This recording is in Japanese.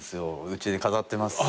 うちに飾ってます。